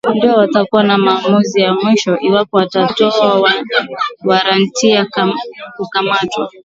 ndio watakuwa na maamuzi ya mwisho iwapo atatoa waranti ya kukamatwa